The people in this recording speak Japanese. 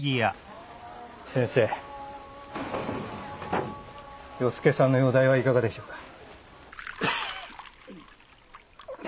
先生与助さんの容体はいかがでしょうか？